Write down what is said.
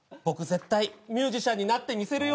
絶対ミュージシャンになってみせるよ